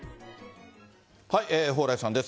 蓬莱さんです。